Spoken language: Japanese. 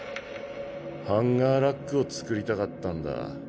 ハンガーラックを作りたかったんだ。